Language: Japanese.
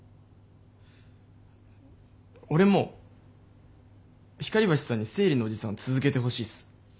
俺も光橋さんに生理のおじさん続けてほしいっす。